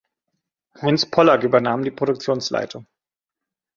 Heinz Pollak übernahm die Produktionsleitung.